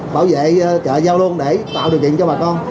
bảo vệ chợ giao đôn để tạo điều kiện cho bà con